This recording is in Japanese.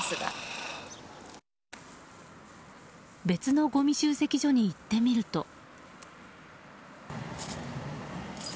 別のごみ集積所に行ってみると。